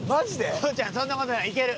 コウちゃんそんな事ないいける。